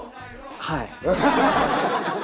はい。